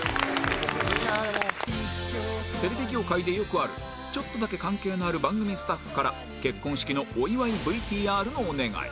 テレビ業界でよくあるちょっとだけ関係のある番組スタッフから結婚式のお祝い ＶＴＲ のお願い